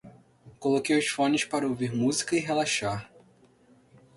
Coloquei os phones para ouvir música e relaxar.